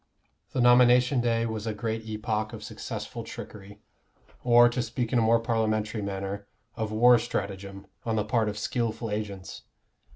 The nomination day was a great epoch of successful trickery, or, to speak in a more parliamentary manner, of war stratagem, on the part of skilful agents.